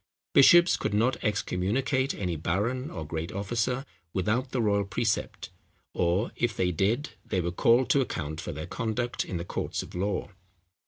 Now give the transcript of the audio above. Bishops could not excommunicate any baron or great officer without the royal precept; or if they did, they were called to account for their conduct in the courts of law.